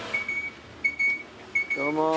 どうもー。